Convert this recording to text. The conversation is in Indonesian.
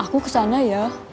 aku kesana ya